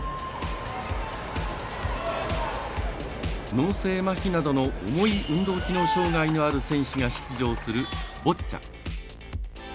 脳性まひなどの重い運動機能障がいのある選手が出場するボッチャ。